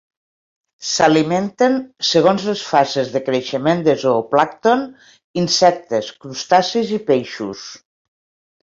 S'alimenten, segons les fases de creixement de zooplàncton, insectes, crustacis i peixos.